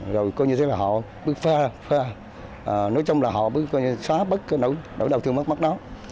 rồi coi như thế là họ bước pha nói chung là họ bước xóa bất cái đầu thương mất mắt đó